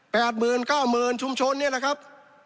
๘๐๐๐บาท๙๐๐๐บาทชุมชนเนี่ยนะครับ